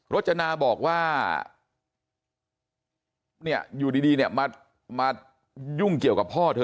จนาบอกว่าเนี่ยอยู่ดีเนี่ยมายุ่งเกี่ยวกับพ่อเธอ